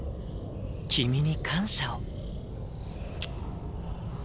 君に感謝を。